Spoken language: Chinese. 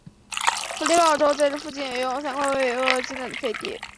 弗里堡州在这附近也拥有三块位于沃州境内的飞地。